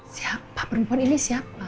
siapa perempuan ini siapa